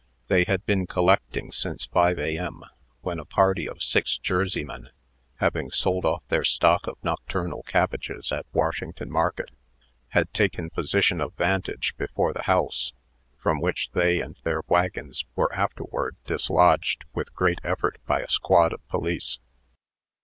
They had been collecting since five A.M., when a party of six Jerseymen, having sold off their stock of nocturnal cabbages at Washington Market, had taken position of vantage before the house, from which they and their wagons were afterward dislodged with great effort by a squad of police.